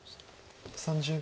３０秒。